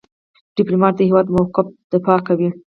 ډيپلومات د هیواد موقف دفاع کوي.